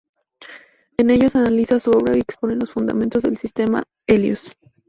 En ellos analiza su obra y expone los fundamentos del sistema "Helios".